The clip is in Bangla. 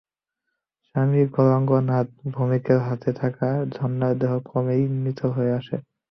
স্বামী গৌরাঙ্গ নাথ ভৌমিকের হাতে থাকা ঝর্ণার দেহ ক্রমেই নিথর হয়ে আসে।